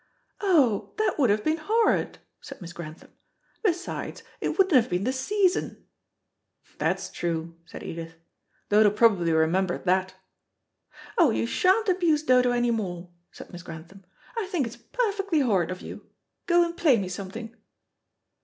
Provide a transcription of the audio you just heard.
"Oh, that would have been horrid," said Miss Grantham; "besides, it wouldn't have been the season." "That's true," said Edith. "Dodo probably remembered that." "Oh, you sha'n't abuse Dodo any more," said Miss Grantham. "I think it's perfectly horrid of you. Go and play me something."